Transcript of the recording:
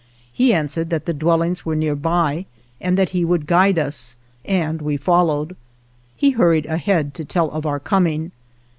He answered that the dwellings were nearby and that he would guide us, and we followed. He hurried ahead to tell of our coming.